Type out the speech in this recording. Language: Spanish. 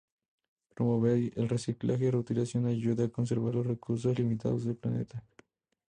Promover el reciclaje y reutilización ayuda a conservar los recursos limitados de planeta.